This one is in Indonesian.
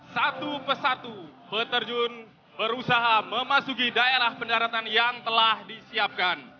satu persatu peterjun berusaha memasuki daerah pendaratan yang telah disiapkan